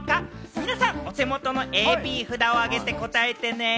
皆さん、お手元のＡ、Ｂ札を上げて答えてね。